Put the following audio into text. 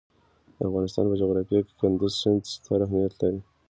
د افغانستان په جغرافیه کې کندز سیند ستر اهمیت لري.